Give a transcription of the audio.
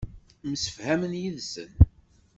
Msefhamen yid-sen.